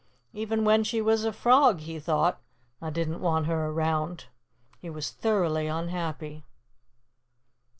"Even when she was a Frog," he thought, "I didn't want her around." He was thoroughly unhappy.